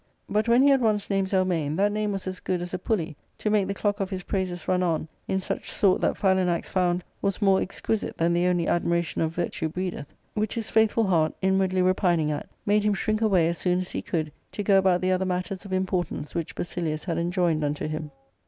But when he had once named Zelmane, that name was as good as j a pulley to make the clock of his praises run on in such sort ] that, Philanax found, was more exquisite than the only admira tion of virtue b'reedeth ; which his faithful heart inwardly repining at made him shrink away as soon as he could to go about the other matters of importance which Basilius had enjoined unto him.